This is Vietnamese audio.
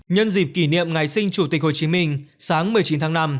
nhân dịp kỷ niệm ngày sinh chủ tịch hồ chí minh sáng một mươi chín tháng năm